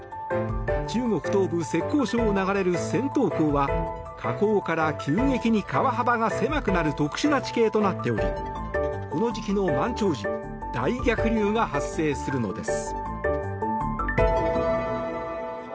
中国東部・浙江省を流れる銭塘江は河口から急激に川幅が狭くなる特殊な地形となっておりこの時期の満潮時大逆流が発生するのです。